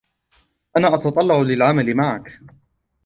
أنا أتتطلع للعمل معك.